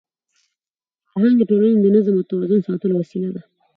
فرهنګ د ټولني د نظم او توازن ساتلو وسیله ده.